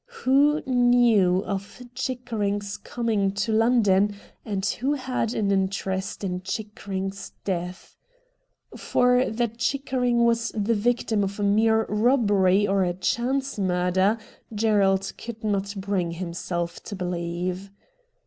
Who knew of Chickering's coming to London, and who had an interest in Chickering's death ? For that Chickering was the victim of a mere robbery or a chance murder Gerald could not bring himself to believe.